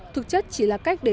thực chất chỉ là cách để